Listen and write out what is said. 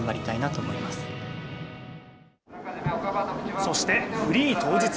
そしてフリー当日。